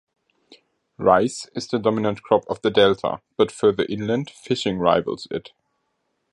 Rice is the dominant crop of the delta, but further inland fishing rivals it.